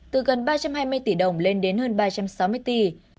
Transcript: từ gần ba trăm hai mươi tỷ đồng lên đến hơn ba trăm sáu mươi tỷ